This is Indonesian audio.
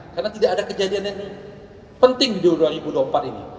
karena tidak ada kejadian yang penting di dua ribu dua puluh empat ini